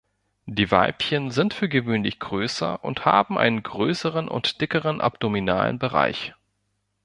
Die Weibchen sind für gewöhnlich größer und haben einen größeren und dickeren abdominalen Bereich.